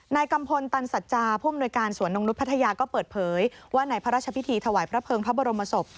กัมพลตันสัจจาผู้อำนวยการสวนนกนุษย์พัทยาก็เปิดเผยว่าในพระราชพิธีถวายพระเภิงพระบรมศพ